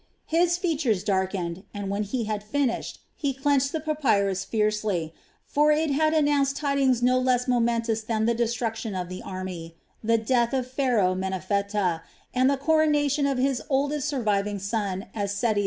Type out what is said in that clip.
His features darkened and, when he had finished, he clenched the papyrus fiercely; for it had announced tidings no less momentous than the destruction of the army, the death of Pharaoh Menephtah, and the coronation of his oldest surviving son as Seti II.